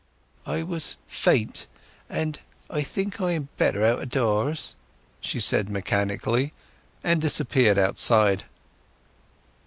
"I was faint—and—I think I am better out o' doors," she said mechanically; and disappeared outside.